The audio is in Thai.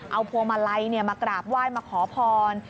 เอาพวงมาลัยมากราบไหว้มาขอพร